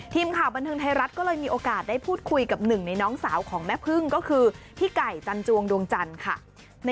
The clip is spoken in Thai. ทีมข่าวบนทึงไทยรัฐได้พูดคุยกับ๑ในน้องสาวของแม่พึ่งก็คือพี่ไก่จันจวงดวงจัน